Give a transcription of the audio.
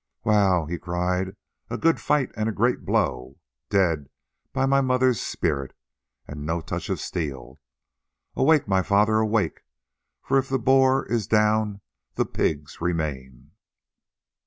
"Wow!" he cried, "a good fight and a great blow! Dead, by my mother's spirit, and no touch of steel. Awake, my father, awake! for if the boar is down the pigs remain!"